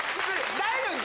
大丈夫。